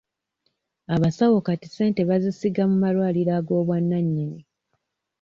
Abasawo kati ssente bazisiga mu malwaliro agw'obwannannyini.